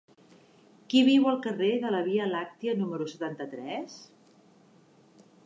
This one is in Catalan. Qui viu al carrer de la Via Làctia número setanta-tres?